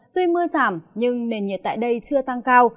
tuy mưa giảm nhưng nền nhiệt tại đây chưa tăng cao